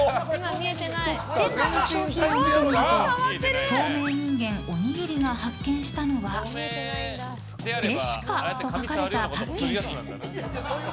店内の商品を見ていると透明人間おにぎりが発見したのはｄｅｓｉｃａと書かれたパッケージ。